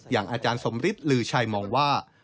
อย่างอาจารย์สมฤทธิลือชัยมองว่า